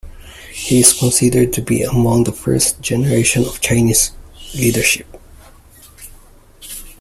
He is considered to be among the first generation of Chinese leadership.